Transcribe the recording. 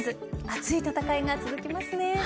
熱い戦いが続きますね。